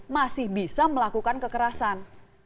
masih bisa melakukan kekerasan